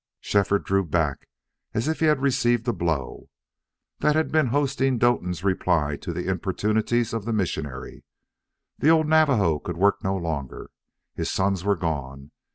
Shefford drew back as if he had received a blow. That had been Hosteen Doetin's reply to the importunities of the missionary. The old Navajo could work no longer. His sons were gone.